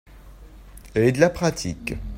Et de la pratique.